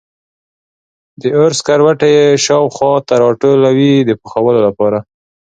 د اور سکروټي یې خوا و شا ته راټولوي د پخولو لپاره.